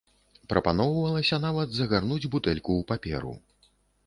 Прапаноўвалася нават загарнуць бутэльку ў паперу.